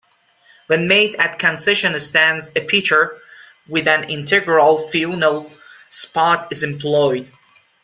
When made at concession stands, a pitcher with an integral funnel spout is employed.